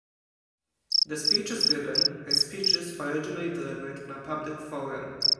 The speeches given are speeches originally delivered in a public forum.